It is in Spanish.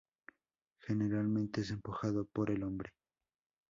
Generalmente es empujado por el hombre.